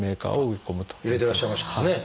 入れてらっしゃいましたもんね。